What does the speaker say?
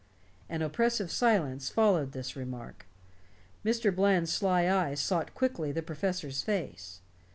An oppressive silence followed this remark. Mr. Bland's sly eyes sought quickly the professor's face.